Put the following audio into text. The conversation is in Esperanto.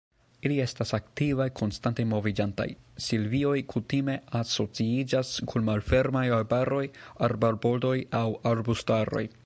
Ili estas aktivaj, konstante moviĝantaj; silvioj kutime asociiĝas kun malfermaj arbaroj, arbarbordoj aŭ arbustaroj.